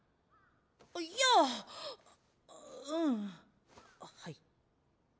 あっいやうんはい。